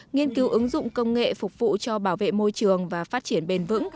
nghiên cứu ứng dụng công nghệ phục vụ cho bảo vệ môi trường và phát triển bền vững